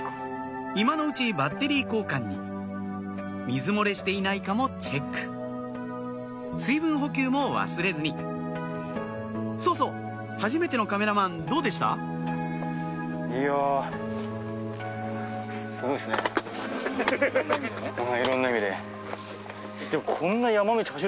今のうちバッテリー交換に水漏れしていないかもチェック水分補給も忘れずにそうそうはじめてのカメラマンどうでした？の評価は？